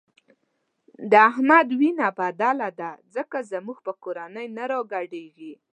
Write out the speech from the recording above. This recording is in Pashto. د احمد وینه بدله ده ځکه زموږ په کورنۍ نه راګډېږي.